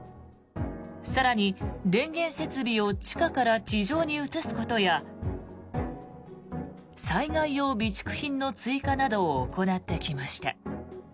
更に、電源設備を地下から地上に移すことや災害用備蓄品の追加などを行ってきました。